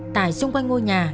tại xung quanh ngôi nhà